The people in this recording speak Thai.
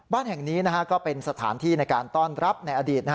แห่งนี้ก็เป็นสถานที่ในการต้อนรับในอดีต